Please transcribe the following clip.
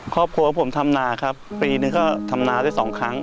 ครอบครัวผมทำนาครับปีหนึ่งก็ทำนาได้สองครั้ง